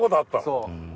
そう。